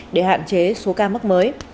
để hạn chế số ca mắc mới